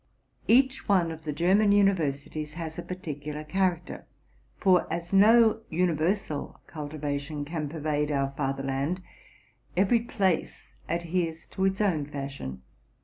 Each one of the German universities has a particular character; for, as — no universal cultivation can pervade our fatherland, every place adheres to its own fashion.